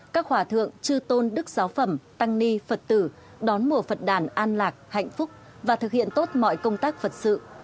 các hỏa thượng trư tôn đức giáo phẩm tăng ni phật tử đón mùa phật đản an lạc hạnh phúc và thực hiện tốt mọi công tác phật sự